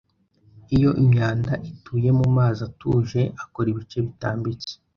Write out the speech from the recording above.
Iyo imyanda ituye mumazi atuje akora ibice bitambitse